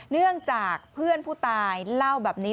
เนื่องจากเพื่อนผู้ตายเล่าแบบนี้